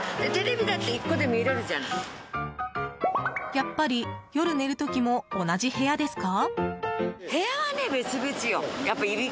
やっぱり、夜寝る時も同じ部屋ですか？